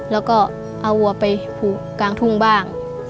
แล้วก็เอาวัวไปผูกกลางทุ่งบ้าง